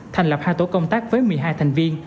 thành lập hai tổ công tác với một mươi hai thành viên